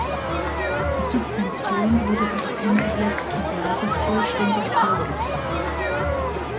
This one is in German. Die Subvention wurde bis Ende letzten Jahres vollständig zurückgezahlt.